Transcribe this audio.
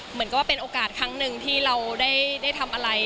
เหมือนก็ว่าเป็นโอกาสครั้งหนึ่งที่เราได้ทำอะไร